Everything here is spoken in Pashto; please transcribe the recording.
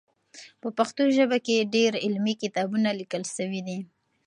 په پښتو ژبه کې ډېر علمي کتابونه لیکل سوي دي.